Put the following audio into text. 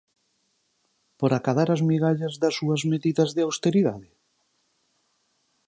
¿Por acadar as migallas das súas medidas de austeridade?